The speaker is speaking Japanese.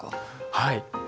はい。